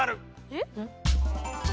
えっ？